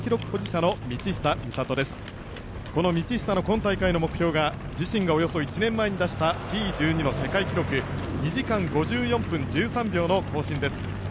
この道下の今大会の目標が自身がおよそ１年前に出したＴ１２の世界記録２時間５４分１３秒の更新です。